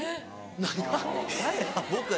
何が？